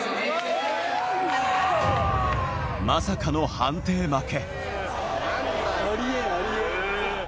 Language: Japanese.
まさかの判定負け。